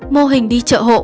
mô hình đi chợ hộ